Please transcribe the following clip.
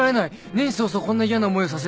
年始早々こんな嫌な思いをさせるなんて。